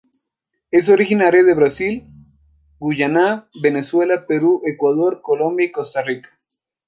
Es originaria de Brasil, Guyana, Venezuela, Perú, Ecuador, Colombia y Costa Rica.